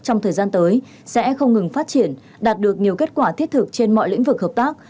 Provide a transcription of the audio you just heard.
trong thời gian tới sẽ không ngừng phát triển đạt được nhiều kết quả thiết thực trên mọi lĩnh vực hợp tác